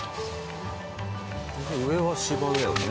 上は芝だよね？